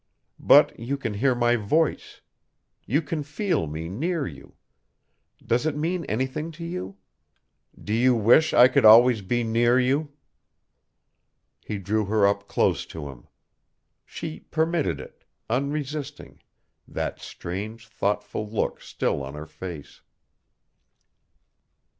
But you can hear my voice. You can feel me near you. Does it mean anything to you? Do you wish I could always be near you?" He drew her up close to him. She permitted it, unresisting, that strange, thoughtful look still on her face.